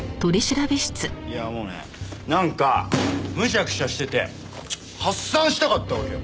いやもうねなんかむしゃくしゃしてて発散したかったわけよね。